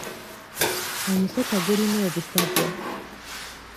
Omusota gulina obusagwa.